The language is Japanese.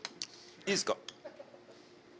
いいですか？